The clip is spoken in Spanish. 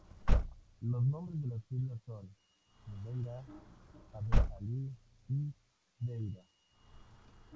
Los nombres de las islas son "Jumeirah", "Jebel Ali" y "Deira.